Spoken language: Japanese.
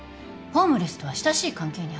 ホームレスとは親しい関係にあった。